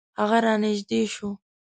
هغه را نژدې شو .